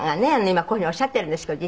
今こういうふうにおっしゃってるんですけど。